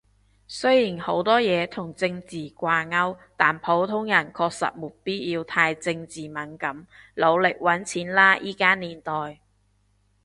雖然好多嘢其實同政治掛鈎，但普通人確實沒必要太政治敏感。努力搵錢喇依家年代